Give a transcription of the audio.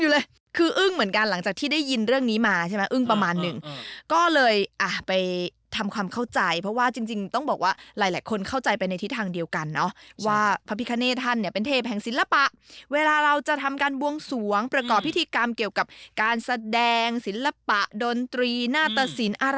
แล้วที่มาของเรื่องนี้แท้จริงเป็นยังไง